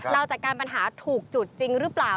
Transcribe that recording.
จัดการปัญหาถูกจุดจริงหรือเปล่า